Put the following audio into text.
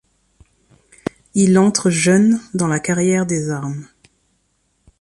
Il entre jeune dans la carrière des armes.